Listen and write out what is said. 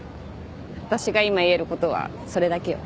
私が今言えることはそれだけよ。